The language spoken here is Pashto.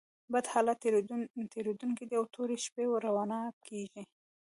بد حالت تېرېدونکى دئ او توري شپې رؤڼا کېږي.